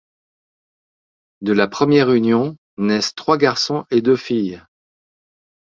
De la première union, naissent trois garçons et deux filles.